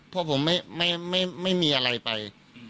เพราะผมไม่มีอะไรไป